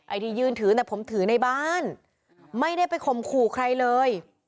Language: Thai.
ที่ยืนถือแต่ผมถือในบ้านไม่ได้ไปข่มขู่ใครเลย